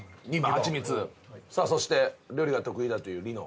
さあそして料理が得意だというリノ。